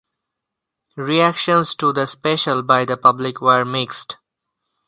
Reactions to the special by the public were mixed.